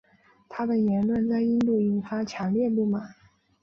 他的言论在印度引发强烈不满。